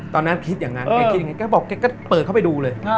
ตอนนั้นคิดอย่างนั้นแกคิดอย่างนี้แกบอกแกก็เปิดเข้าไปดูเลย